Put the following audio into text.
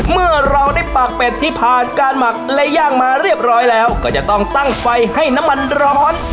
เมื่อเราได้ปากเป็ดที่ผ่านการหมักและย่างมาเรียบร้อยแล้วก็จะต้องตั้งไฟให้น้ำมันร้อน